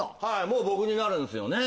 もう僕になるんですよね